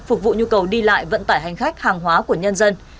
phục vụ nhu cầu đi lại vận tải hành khách hàng hóa của nhân dân